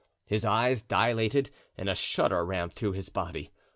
His eyes dilated and a shudder ran through his body.